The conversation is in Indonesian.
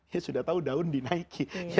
ya sudah tahu daun dinaiki